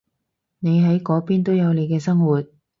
你喺嗰邊都有你嘅生活